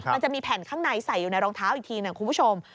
มันจะมีแผ่นข้างในใส่อยู่ในรองเท้าอีกทีนะคุณผู้ชม